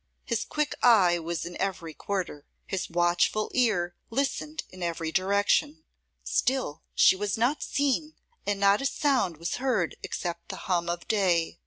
His quick eye was in every quarter; his watchful ear listened in every direction: still she was not seen, and not a sound was heard except the hum of day.